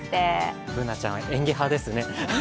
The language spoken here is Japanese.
Ｂｏｏｎａちゃんは演技派ですね。